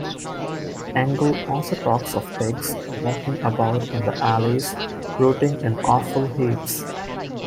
Engels also talks of "pigs walking about in the alleys, rooting in offal heaps".